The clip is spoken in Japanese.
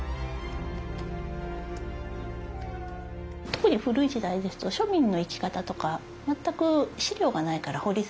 特に古い時代ですと庶民の生き方とか全く資料がないから掘り下げられない。